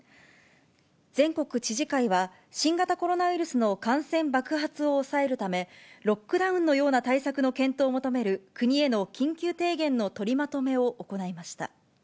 全国知事会は、新型コロナウイルスの感染爆発を抑えるため、ロックダウンのような対策の検討を求める国への緊急提言の取りま